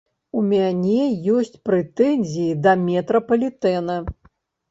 У мяне ёсць прэтэнзіі да метрапалітэна.